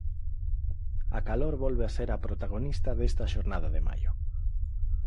A calor volve a ser a protagonista desta xornada de maio.